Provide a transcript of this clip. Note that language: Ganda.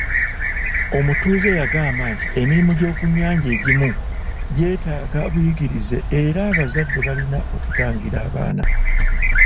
Omutuuze yagamba nti emirimu gy'okunnyanja egimu gyeetaaga buyigirize era abazadde balina okutangira abaana.